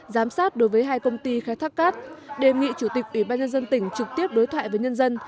giám sát đối với hai công ty khai thác cát đề nghị chủ tịch ủy ban nhân dân tỉnh trực tiếp đối thoại với nhân dân